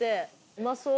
うまそう！